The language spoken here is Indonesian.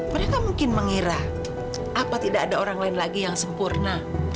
mereka mungkin mengira apa tidak ada orang lain lagi yang sempurna